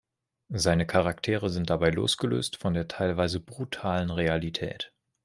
Seine Charaktere sind dabei losgelöst von der teilweise brutalen Realität.